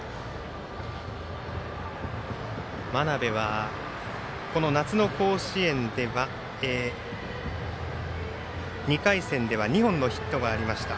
真鍋はこの夏の甲子園では２回戦では２本のヒットがありました。